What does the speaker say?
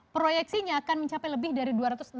proyeksinya akan mencapai lebih dari dua ratus enam puluh